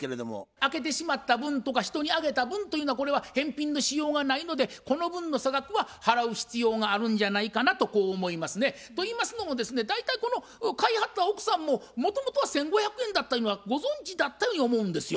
開けてしまった分とか人にあげた分というのはこれは返品のしようがないのでこの分の差額は払う必要があるんじゃないかなとこう思いますね。と言いますのもですね大体この買いはった奥さんももともとは１，５００円だったゆうのはご存じだったように思うんですよ。